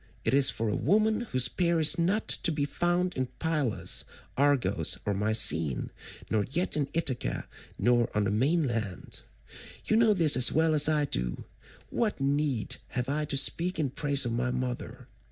It is for a woman whose peer is not to be found in Pylos, Argos, or Mycene, nor yet in Ithaca nor on the mainland. You know this as well as I do; what need have I to speak in praise of my mother?